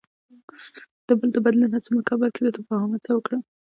د بل د بدلون هڅه مه کوه، بلکې د تفاهم هڅه وکړه.